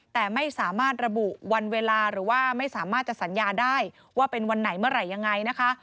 แต่ไม่สามารถระบุวันเวลาหรือว่าไม่สามารถจะสัญญาได้ว่าเป็นวันไหนเมื่อไหร่ยังไงนะคะ